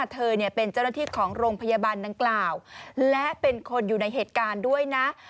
เธอเป็นเจ้าหน้าที่ของโรงพยาบาลดังกล่าวและเป็นคนอยู่ในเหตุการณ์ด้วยนะ